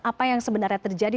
apa yang sebenarnya terjadi